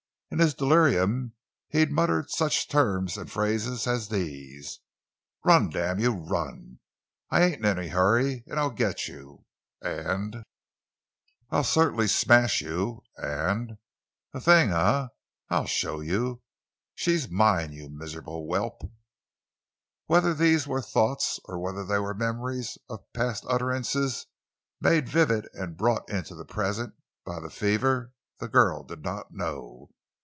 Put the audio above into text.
In his delirium he muttered such terms and phrases as these: "Run, damn you—run! I ain't in any hurry, and I'll get you!" And—"I'll certainly smash you some!" And—"A 'thing,' eh—I'll show you! She's mine, you miserable whelp!" Whether these were thoughts, or whether they were memories of past utterances, made vivid and brought into the present by the fever, the girl did not know.